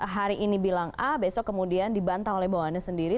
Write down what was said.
hari ini bilang a besok kemudian dibantah oleh bawaannya sendiri